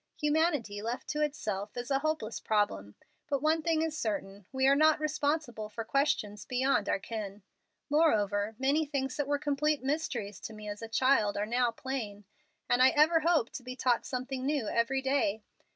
Humanity, left to itself, is a hopeless problem. But one thing is certain: we are not responsible for questions beyond our ken. Moreover, many things that were complete mysteries to me as a child are now plain, and I ever hope to be taught something new every day.